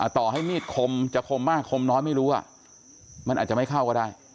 ต่อให้มีดคมจะคมมากคมน้อยไม่รู้มันอาจจะไม่เข้าก็ได้